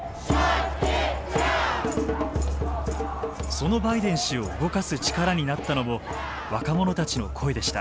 そのバイデン氏を動かす力になったのも若者たちの声でした。